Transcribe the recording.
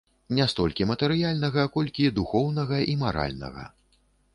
Не столькі матэрыяльнага, колькі духоўнага і маральнага.